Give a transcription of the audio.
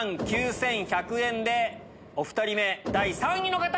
１万９１００円でお２人目第３位の方！